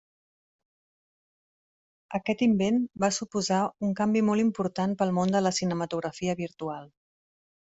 Aquest invent va suposar un canvi molt important pel món de la cinematografia virtual.